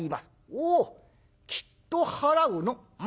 「おおきっと払うのう。